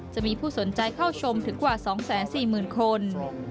จะมีผู้สนใจเข้าชมถึงกว่า๒๔๐๐๐คน